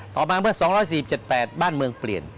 ต่อมาเมื่อ๒๔๗๘บ้านเมืองเปลี่ยน